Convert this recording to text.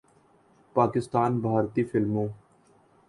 پاکستان، بھارتی فلموں